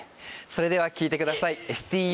それでは聴いてください